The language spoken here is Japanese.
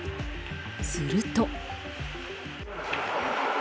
すると。